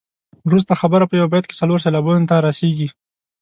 وروسته خبره په یو بیت کې څلور سېلابونو ته رسيږي.